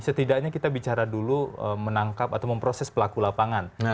setidaknya kita bicara dulu menangkap atau memproses pelaku lapangan